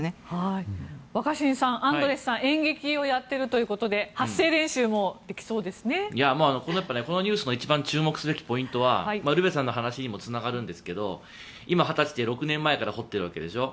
若新さんアンドレスさんは演劇をやっているということでこうなったらこのニュースの一番注目すべきポイントはウルヴェさんの話にもつながるんですが今、２０歳で６年前から掘っているわけでしょう。